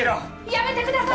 ・・やめてください。